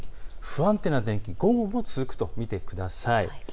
不安定な天気、午後も続くと見てください。